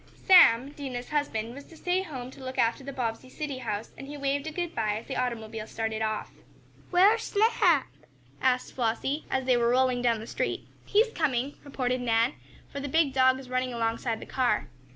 Sam, Dinah's husband, was to stay home to look after the Bobbsey city house, and he waved a good bye as the automobile started off. "Where's Snap?" asked Flossie, as they were rolling down the street. "He's coming," reported Nan, for the big dog was running alongside the car.